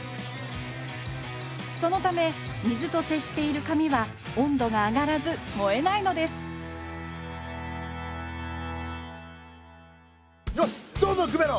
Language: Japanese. そのため水と接している紙は温度が上がらず燃えないのですよしどんどんくべろ！